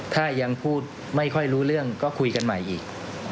ถ้ายังพูดไม่ค่อยรู้เรื่องก็คุยกันใหม่อีก